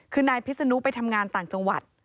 คือนายพิษนุไปทำงานต่างจังหวัด